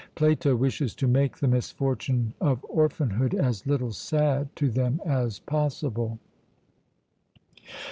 Plato wishes to make the misfortune of orphanhood as little sad to them as possible.